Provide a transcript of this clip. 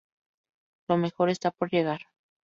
Lo mejor está por llegar".